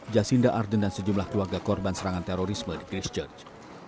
jasinda arden dan sejumlah keluarga korban serangan terorisme di christchurch